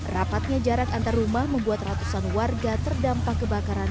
rapatnya jarak antar rumah membuat ratusan warga terdampak kebakaran